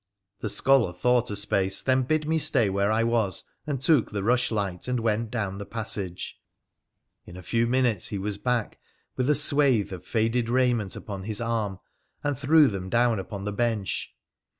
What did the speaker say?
The scholar thought a space, then bid me stay where I was, and took the rushlight and went down the passage. In a few minutes he was back, with a swayth of faded raiment upon his arm, and threw them down upon the bench.